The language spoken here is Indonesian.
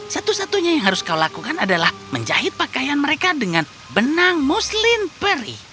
satu satunya yang harus kau lakukan adalah menjahit pakaian mereka dengan benang muslim peri